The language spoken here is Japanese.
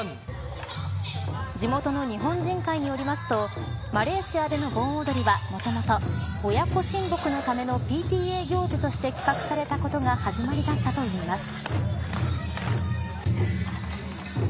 地元の日本人会によりますとマレーシアでの盆踊りはもともと親子親睦のためのＰＴＡ行事として企画されたことが始まりだったといいます。